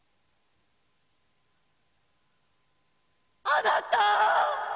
あなた！